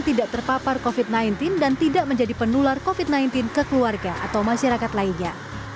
tidak terpapar covid sembilan belas dan tidak menjadi penular covid sembilan belas ke keluarga atau masyarakat lainnya